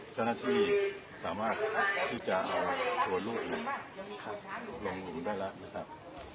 สถานที่นี่สามารถที่จะเอาตัวลูกเนี่ยครับลงหลุมได้แล้วนะครับ